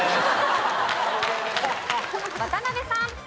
渡辺さん。